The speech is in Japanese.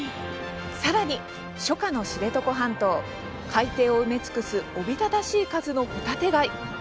さらに、初夏の知床半島海底を埋め尽くすおびただしい数のホタテ貝。